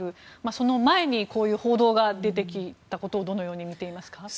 その前にこういう報道が出てきたことをどのように見ていますか？